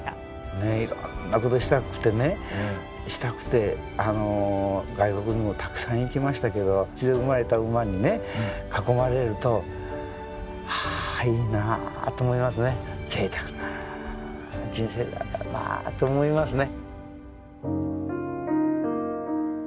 僕はいろんなことをしたくてね、したくて、外国にもたくさん行きましたけど、うちで生まれた馬にね、囲まれると、あぁ、いいなーっと思いますね、ぜいたくな人生だなと思いますね。